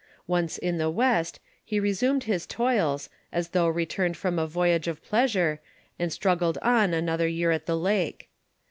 Once in the west., he resumed his toils, as though returned from a voyage of pleasure, and struggled on another year at the lake.